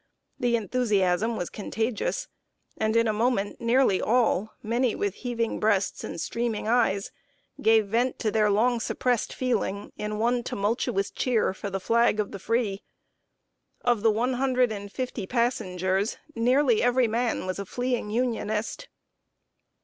The enthusiasm was contagious; and in a moment nearly all, many with heaving breasts and streaming eyes, gave vent to their long suppressed feeling in one tumultuous cheer for the Flag of the Free. Of the one hundred and fifty passengers, nearly every man was a fleeing Unionist.